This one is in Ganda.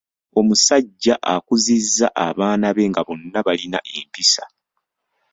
Omusajja akuzizza abaana be nga bonna balina empisa.